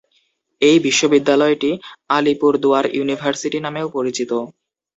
এই বিশ্ববিদ্যালয়টি আলিপুরদুয়ার ইউনিভার্সিটি নামেও পরিচিত।